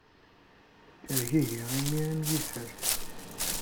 Ttergigiɣ imir am yifer.